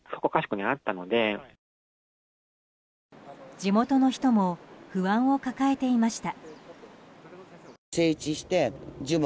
地元の人も不安を抱えていました。